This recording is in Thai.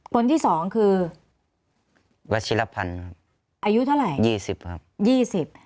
คนที่สองคือวัชฌีรพันธ์ครับอายุเท่าไหร่๒๐ครับ๒๐